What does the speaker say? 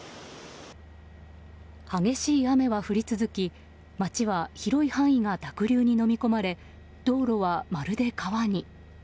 激しい雨は降り続き町は広い範囲が濁流にのみ込まれ道路はまるで川に。